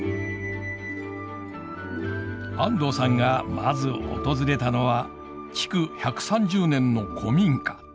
安藤さんがまず訪れたのは築１３０年の古民家。